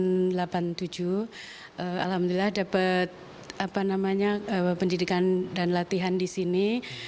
alhamdulillah dapat pendidikan dan latihan di sini